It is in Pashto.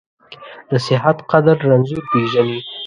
د صحت قدر رنځور پېژني.